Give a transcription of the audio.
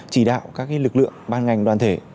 chỉ đạo các lực lượng ban ngành đoàn thể